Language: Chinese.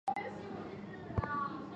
徽典馆的。